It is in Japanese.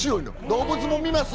動物もの見ます？